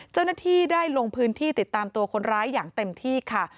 เจ้าหน้าที่ได้ลงพื้นที่ติดตามตัวคนร้ายอย่างเต็มที่ค่ะ